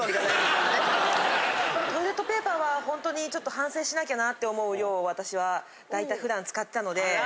トイレットペーパーはほんとにちょっと反省しなきゃなって思う量を私は大体普段使ってたので。